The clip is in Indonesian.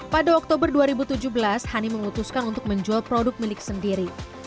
pada oktober dua ribu tujuh belas hani memutuskan untuk menjual produk milik sendiri